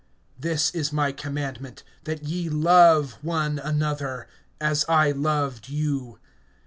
(12)This is my commandment, that ye love one another, as I loved you.